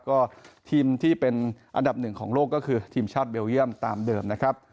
ก็ทีมที่เป็นอันดับหนึ่งของโลกก็คือทีมชาติเบลเยี่ยมตามเดิมนะครับ